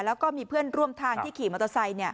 แล้วก็มีเพื่อนร่วมทางที่ขี่มโตรไซค์เนี่ย